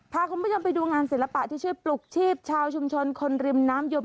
พาคุณผู้ชมไปดูงานศิลปะที่ช่วยปลุกชีพชาวชุมชนคนริมน้ำยม